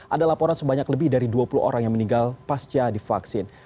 ada laporan sebanyak lebih dari dua puluh orang yang meninggal pasca divaksin